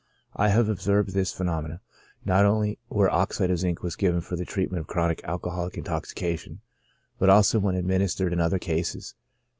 I have observed this phenomenon, not only where oxide of zinc was given for the treatment of chronic alcoholic intoxication, but also when administered in other cases.